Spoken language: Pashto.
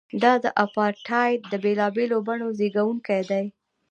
دا د اپارټایډ د بېلابېلو بڼو زیږوونکی دی.